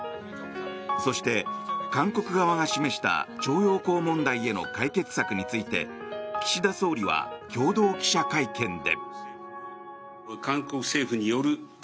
そして、韓国側が示した徴用工問題への解決策について岸田総理は共同記者会見で。